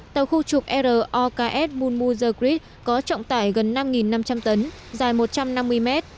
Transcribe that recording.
tàu khu trục roks monmuzer grif có trọng tải gần năm năm trăm linh tấn dài một trăm năm mươi mét